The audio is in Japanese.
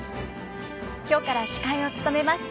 今日から司会を務めます